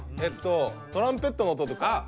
えっとトランペットの音とか。